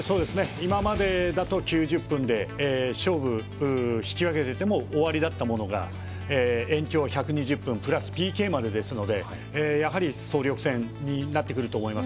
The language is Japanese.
今までだと９０分で引き分けてても終わりだったものが延長１２０分それプラスＰＫまでですので総力戦になってくると思います。